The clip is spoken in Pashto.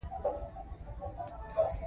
تاریخي آثار دا نقش تاییدولې.